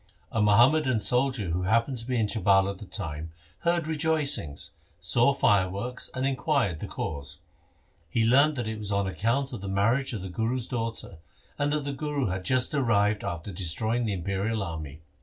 A Muhammadan soldier who happened to be in Jhabal at the time heard rejoicings, saw fireworks, and inquired the cause. He learned that it was on account of the marriage of the Guru's daughter, and that the Guru had just arrived after destroying the imperial army.